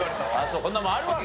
こんなものあるわけない？